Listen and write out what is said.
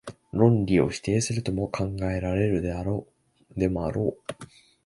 論理を否定するとも考えられるでもあろう。